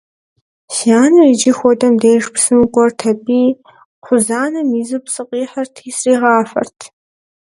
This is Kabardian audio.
Си анэр иджы хуэдэм деж псым кӀуэрт аби, кхъузанэм изу псы къихьрти сригъафэрт.